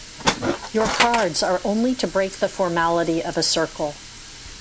Your cards are only to break the formality of a circle.